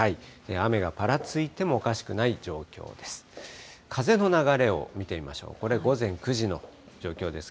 雨がぱらついてもおかしくない状況です。